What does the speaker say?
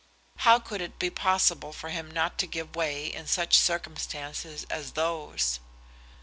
How could it be possible for him not to give way in such circumstances as those?